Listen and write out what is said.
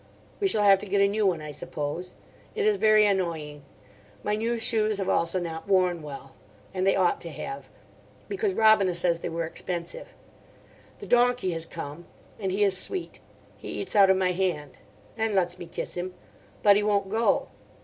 We shall have to get a new one, I suppose. It is very annoying. My new shoes have also not worn well. And they ought to have. Because Robina says they were expensive. The donkey has come. And he is sweet. He eats out of my hand. And lets me kiss him. But he won't go.